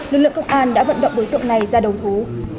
lực lượng công an đã vận động đối tượng này ra đầu thú